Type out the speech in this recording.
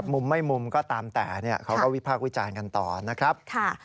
มุมไม่มุมก็ตามแต่เขาก็วิพากษ์วิจารณ์กันต่อนะครับ